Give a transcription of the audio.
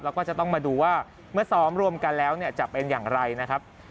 แล้วก็จะต้องมาดูว่าเมื่อซ้อมรวมกันแล้วเนี่ยจะเป็นอย่างไรนะครับ